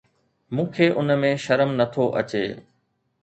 مون کي ان ۾ شرم نه ٿو اچي